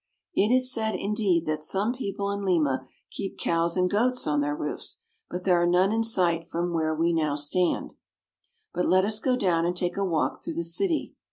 It is said, indeed, that some people in Lima keep cows and goats on their roofs, but there are none in sight from where we now stand. But let us go down and take a walk through the city.